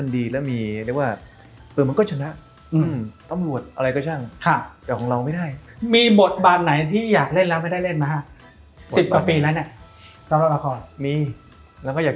อยากไปปลอมตัวอะไรอย่างเงี้ย